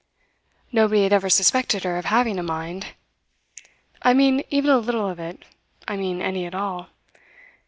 Nobody had ever suspected her of having a mind. I mean even a little of it, I mean any at all.